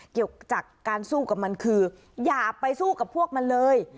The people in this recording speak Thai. เกี่ยวกับการสู้กับมันคืออย่าไปสู้กับพวกมันเลย